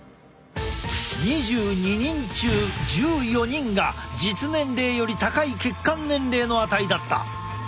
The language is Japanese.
２２人中１４人が実年齢より高い血管年齢の値だった。